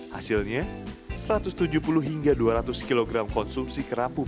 hasilnya satu ratus tujuh puluh hingga dua ratus kg konsumsi kerapu